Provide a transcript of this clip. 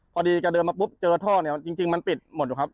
พอดีแกเดินมาปุ๊บเจอท่อเนี่ยจริงมันปิดหมดอยู่ครับ